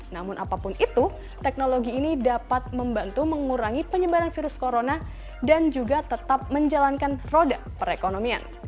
namun apapun itu teknologi ini dapat membantu mengurangi penyebaran virus corona dan juga tetap menjalankan roda perekonomian